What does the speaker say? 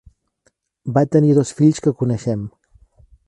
Va tenir dos fills que coneixem.